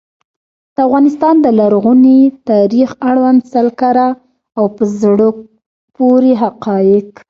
د افغانستان د لرغوني تاریخ اړوند سل کره او په زړه پوري حقایق.